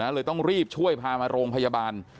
เลยต้องรีบช่วยพามาโรงพยาบาล